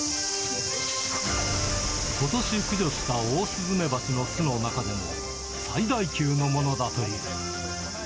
ことし駆除したオオスズメバチの巣の中でも、最大級のものだという。